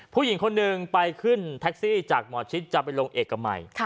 ผู้หญิงคนหนึ่งไปขึ้นแท็กซี่จากหมอชิตจำเป็นโรงเอกอ่ะใหม่